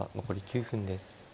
残り９分です。